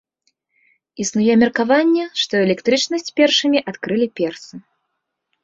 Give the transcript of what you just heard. Існуе меркаванне, што электрычнасць першымі адкрылі персы.